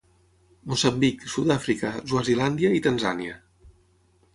Moçambic, Sud-àfrica, Swazilàndia i Tanzània.